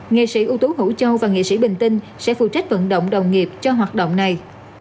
nghệ sĩ ưu tú hữu châu và nghệ sĩ bình tinh sẽ phụ trách vận động đồng nghiệp cho hoạt động này